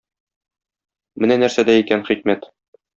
Менә нәрсәдә икән хикмәт!